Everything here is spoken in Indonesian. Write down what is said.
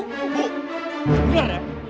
ibu ibu bener ya